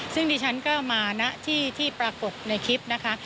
ซึ่งดิฉันก็มาณที่ที่ปรากฏในคลิปนะคะ